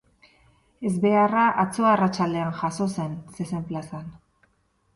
Ezbeharra atzo arratsaldean jazo zen, zezen-plazan.